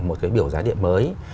một cái biểu giá điện mới